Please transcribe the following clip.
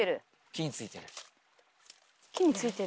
木についてる？